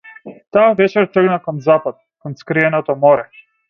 Таа вечер тргна кон запад, кон скриеното море.